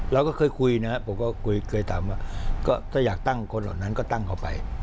เราก็เคยคุยนะถ้าอยากตั้งคนเหล่านั้นก็ตั้งเข้าไป